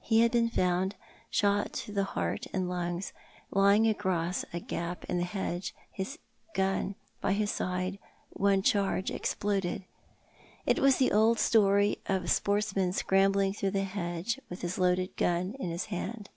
He had been found shot through the heart and lungs, lying across a gap in a hedge, his gun by his side, one charge exploded. It was the old story of a si;)ortsmau scrambling through a hedge with his loaded gun in his hand.